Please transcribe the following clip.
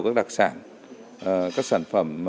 các đặc sản các sản phẩm